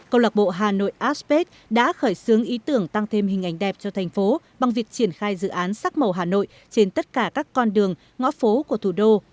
câu lạc bộ hà nội aspage đã khởi xướng ý tưởng tăng thêm hình ảnh đẹp cho thành phố bằng việc triển khai dự án sắc màu hà nội trên tất cả các con đường ngõ phố của thủ đô